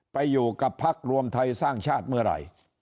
ไปอยู่กับพักรวมไทยสร้างชาติเมื่อไหร่